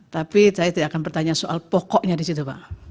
tapi saya tidak akan bertanya soal pokoknya di situ pak